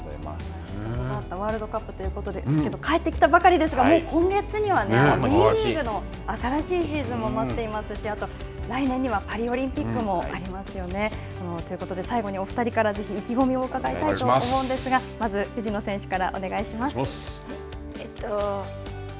ワールドカップということですけれども、帰ってきたばかりですが、今月にはＷＥリーグの新しいシーズンも待っていますし、来年にはパリオリンピックもありますよね、ということで最後にお２人からぜひ意気込みを伺いたいと思うんですが、まず藤野選手からお願いします。